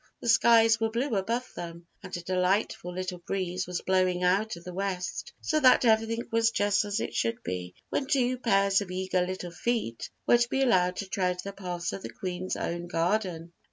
The skies were blue above them and a delightful little breeze was blowing out of the west; so that everything was just as it should be when two pairs of eager little feet were to be allowed to tread the paths of the Queen's own garden.